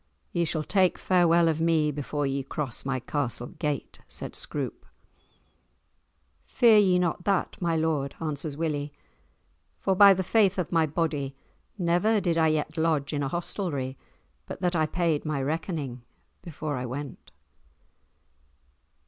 Ye shall take farewell of me before ye cross my castle gate," said Scroope. "Fear ye not that, my lord," answers Willie, "for by the faith of my body, never did I yet lodge in a hostelry but that I paid my reckoning before I went."